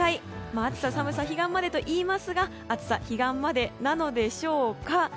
暑さ、寒さは彼岸までといいますが暑さ彼岸までなのでしょうか。